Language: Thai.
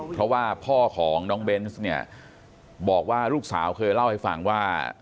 เพราะว่าพ่อของน้องเบนส์เนี่ยบอกว่าลูกสาวเคยเล่าให้ฟังว่า